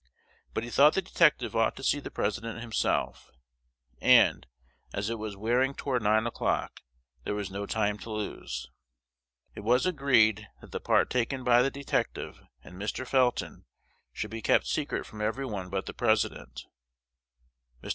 But he thought the detective ought to see the President himself; and, as it was wearing toward nine o'clock, there was no time to lose. It was agreed that the part taken by the detective and Mr. Felton should be kept secret from every one but the President. Mr.